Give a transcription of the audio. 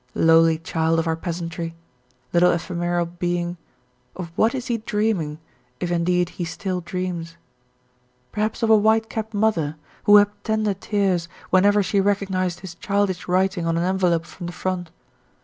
Lowly child of our peasantry, little ephemeral being, of what is he dreaming, if indeed he still dreams? Perhaps of a white capped mother who wept tender tears whenever she recognised his childish writing on an envelope from the front.